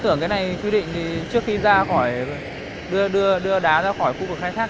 tưởng cái này quy định trước khi đưa đá ra khỏi khu vực khai thác